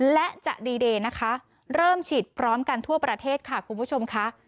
และจะดีเดย์นะคะเริ่มฉีดพร้อมกันทั่วประเทศค่ะคุณผู้ชมค่ะ